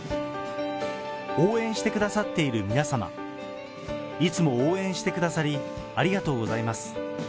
応援してくださっている皆様、いつも応援してくださり、ありがとうございます。